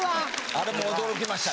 あれも驚きましたね。